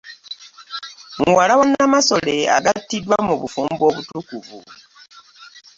Muwala wa Namasole agattiddwa mu bufumbo obutukuvu.